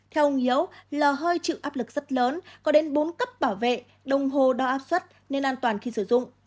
theo ông hiếu lò hơi chịu áp lực rất lớn có đến bốn cấp bảo vệ đồng hồ đo áp suất nên an toàn khi sử dụng